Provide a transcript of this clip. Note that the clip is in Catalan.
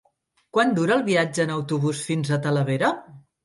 Quant dura el viatge en autobús fins a Talavera?